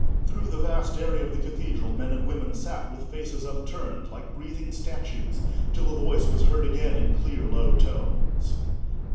Through the vast area of the cathedral men and women sat with faces upturned, like breathing statues, till the voice was heard again in clear low tones.